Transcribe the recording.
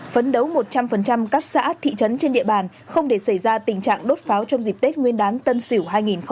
phấn đấu một trăm linh các xã thị trấn trên địa bàn không để xảy ra tình trạng đốt pháo trong dịp tết nguyên đán tân sỉu hai nghìn hai mươi một